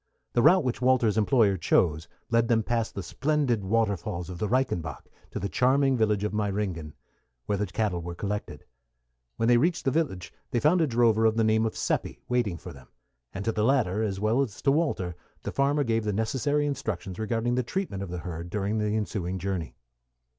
The route which Walter's employer chose led them past the splendid waterfalls of the Reichenbach to the charming village of Meyringen, where the cattle were collected. When they reached the village they found a drover of the name of Seppi waiting for them; and to the latter, as well as to Walter, the farmer gave the necessary instructions regarding the treatment of the herd during the ensuing journey.